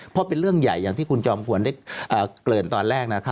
เพราะเป็นเรื่องใหญ่อย่างที่คุณจอมควรได้เกริ่นตอนแรก